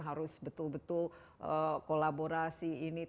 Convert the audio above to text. harus betul betul kolaborasi ini